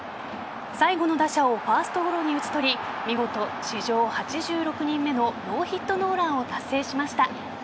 最後の打者をファーストゴロに打ち取り見事、史上８６人目のノーヒットノーランを達成しました。